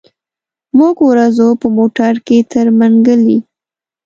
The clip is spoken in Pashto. موږ ورځو په موټر کي تر منګلي.